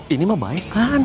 ini mah baik kan